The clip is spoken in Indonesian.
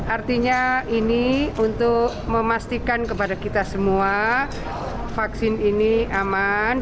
artinya ini untuk memastikan kepada kita semua vaksin ini aman